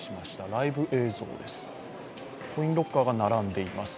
ライブ映像です。